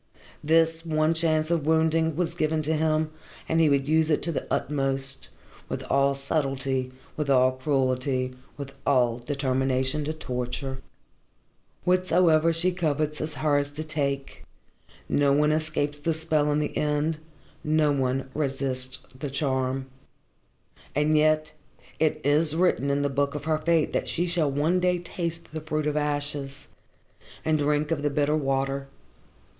This one chance of wounding was given to him and he would use it to the utmost, with all subtlety, with all cruelty, with all determination to torture. "Whatsoever she covets is hers to take. No one escapes the spell in the end, no one resists the charm. And yet it is written in the book of her fate that she shall one day taste the fruit of ashes, and drink of the bitter water.